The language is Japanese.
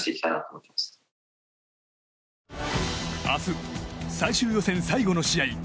明日、最終予選最後の試合